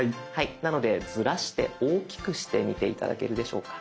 なのでズラして大きくしてみて頂けるでしょうか。